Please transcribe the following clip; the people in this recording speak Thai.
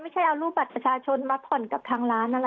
ไม่ใช่เอารูปบัตรประชาชนมาผ่อนกับทางร้านอะไรอย่างนี้ค่ะ